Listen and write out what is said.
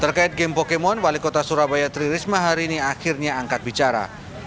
terkait game pokemon wali kota surabaya tri risma hari ini akhirnya angkat bicara